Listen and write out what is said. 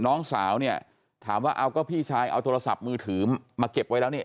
น้องสาวเนี่ยถามว่าเอาก็พี่ชายเอาโทรศัพท์มือถือมาเก็บไว้แล้วเนี่ย